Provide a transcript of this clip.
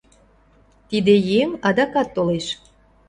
Тиде еҥ адакат толеш.